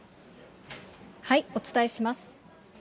お伝えします。